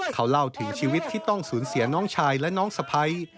เขาเล่าถึงชีวิตที่ต้องสูญเสียน้องชายและน้องสะพ้าย